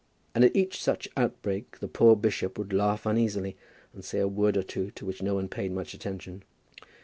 And at each such outbreak the poor bishop would laugh uneasily, and say a word or two to which no one paid much attention.